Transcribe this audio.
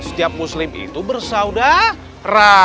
setiap muslim itu bersaudara